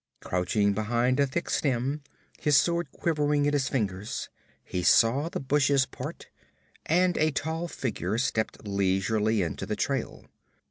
Crouching behind a thick stem, his sword quivering in his fingers, he saw the bushes part, and a tall figure stepped leisurely into the trail.